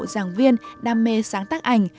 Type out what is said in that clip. giảng viên đam mê sáng tác ảnh